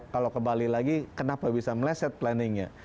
kalau kembali lagi kenapa bisa meleset planningnya